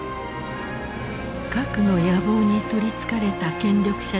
核の野望に取りつかれた権力者たちの物語である。